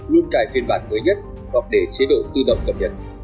luôn cải phóng và đảm bảo các lỗi hỏng được tìm thấy tính từ đầu năm